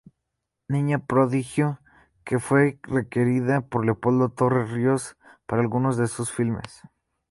Niña prodigio que fue requerida por Leopoldo Torres Ríos para algunos de sus filmes.